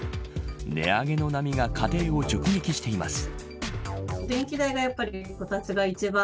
値上げの波が家庭を直撃しています。